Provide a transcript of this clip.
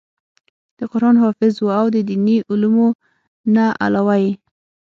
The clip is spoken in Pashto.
د قران حافظ وو او د ديني علومو نه علاوه ئې